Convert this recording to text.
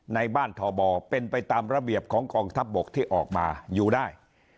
ในบ้านทบเป็นไปตามระเบียบของกองทัพบกที่ออกมาอยู่ได้